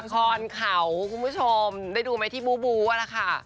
คอนเขาคุณผู้ชมได้ดูไหมที่บูบูอะนะคะ